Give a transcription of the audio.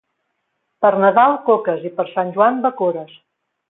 Per Nadal, coques, i per Sant Joan, bacores.